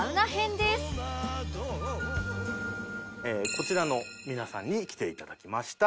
こちらの皆さんに来ていただきました。